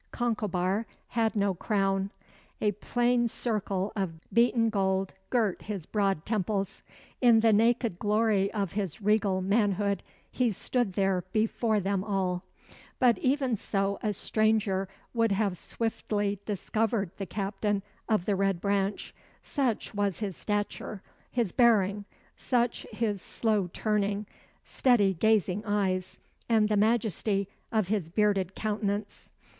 Concobar had no crown. A plain circle of beaten gold girt his broad temples. In the naked glory of his regal manhood he stood there before them all, but even so a stranger would have swiftly discovered the captain of the Red Branch; such was his stature, his bearing, such his slow turning, steady gazing eyes and the majesty of his bearded countenance.